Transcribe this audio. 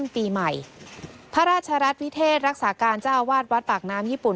ปีใหม่พระราชรัฐพิเทศรักษาการเจ้าอาวาสวัดปากน้ำญี่ปุ่น